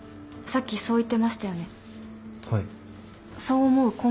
さっきそう言ってましたよね？